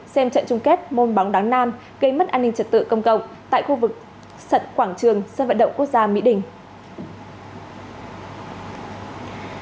xem trận chung kết môn bóng đá nam gây mất an ninh trật tự công cộng tại khu vực quảng trường sân vận động quốc gia mỹ đình